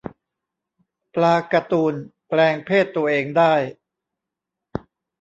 ปลาการ์ตูน แปลงเพศตัวเองได้